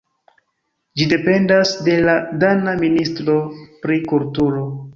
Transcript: Ĝi dependas de la dana ministro pri kulturo.